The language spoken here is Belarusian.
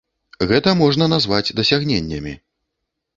Гэта можна назваць дасягненнямі.